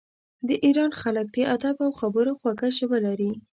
د ایران خلک د ادب او خبرو خوږه ژبه لري.